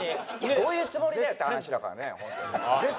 どういうつもりだよ！って話だからねホントに。